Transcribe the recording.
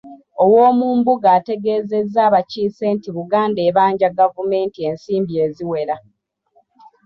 Owoomumbuga ategeezezza abakiise nti Buganda ebanja gavumenti ensimbi eziwera